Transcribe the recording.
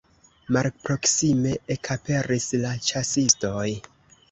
Malproksime ekaperis la ĉasistoj.